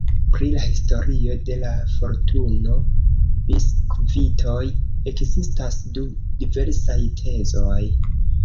Pri la historio de la fortuno-biskvitoj ekzistas du diversaj tezoj.